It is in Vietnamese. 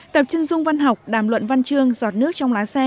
tập trưng dung văn học đàm luận văn trương giọt nước trong lá xe